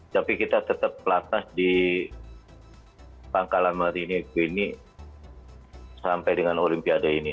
tapi kita tetap pelatah di pangkalan marini bini sampai dengan olimpiade ini